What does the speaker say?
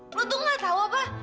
lo tuh nggak tahu apa